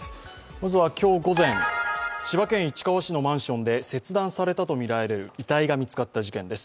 まずは今日午前、千葉県市川市のマンションで切断されたとみられる遺体が見つかった事件です。